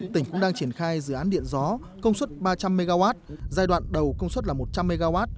tỉnh cũng đang triển khai dự án điện gió công suất ba trăm linh mw giai đoạn đầu công suất là một trăm linh mw